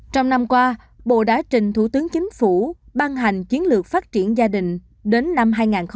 trong năm qua bộ đã trình thủ tướng chính phủ ban hành chiến lược phát triển gia đình đến năm hai nghìn ba mươi